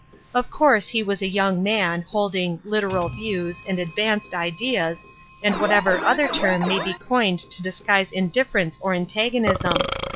Of course he was a young man, holding " literal views," and "advanced ideas," and whatever other term may be coined to dis guise indifference or antagonism.